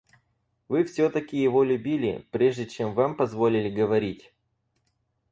Вы всё-таки его любили, прежде чем вам позволили говорить?